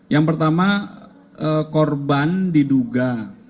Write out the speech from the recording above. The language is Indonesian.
yang pertama korban diduga